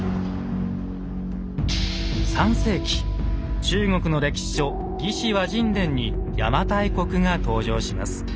３世紀中国の歴史書「『魏志』倭人伝」に邪馬台国が登場します。